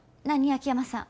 秋山さん。